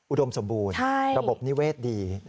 อุดมสมบูรณ์ระบบนิเวศดี